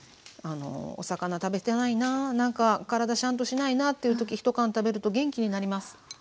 あのお魚食べてないな何か体しゃんとしないなという時１缶食べると元気になります。